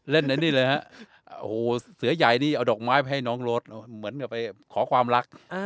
เล่นในนี้เลยนะสือย่ายนี่เอาโดกไม้ไว้ให้น้องโรสเหมือนจะไปขอความรัก